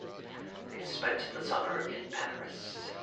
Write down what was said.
They spent the summer in Paris.